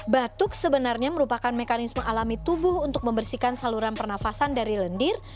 batuk sebenarnya merupakan mekanisme alami tubuh untuk membersihkan saluran pernafasan dari lendir